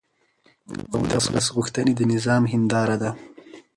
د ولس غوښتنې د نظام هنداره ده